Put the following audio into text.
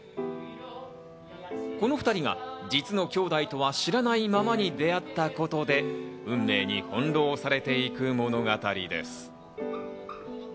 この２人が実の兄弟とは知らないままに出会ったことで、運命に翻弄されていく物語です。